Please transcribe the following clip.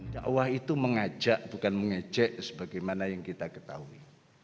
dakwah itu mengajak bukan mengejek sebagaimana yang kita ketahui